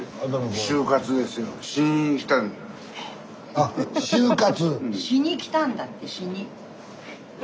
あっ終活。